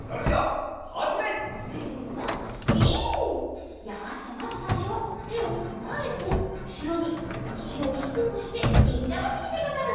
じゃまずさいしょはてをまえとうしろにこしをひくくしてにんじゃばしりでござる！